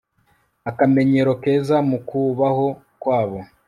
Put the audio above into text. akamenyero keza mu kubaho kwabo